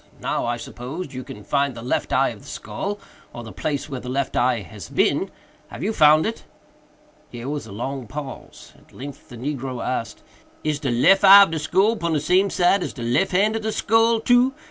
Now, I suppose, you can find the left eye of the skull, or the place where the left eye has been. Have you found it?" Here was a long pause. At length the negro asked, "Is de lef eye of de skull pon de same side as de lef hand of de skull, too?